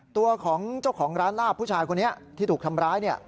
ตัวของเจ้าของร้านลาบผู้ชายคนนี้ที่ถูกทำร้ายเนี่ย